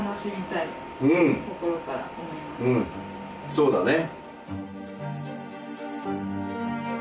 そうだね。